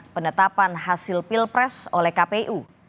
penetapan hasil pilpres oleh kpu